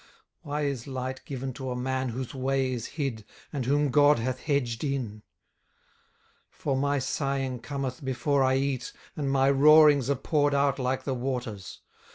18:003:023 Why is light given to a man whose way is hid, and whom God hath hedged in? 18:003:024 For my sighing cometh before I eat, and my roarings are poured out like the waters.